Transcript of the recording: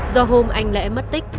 do hôm anh lẽ mất tích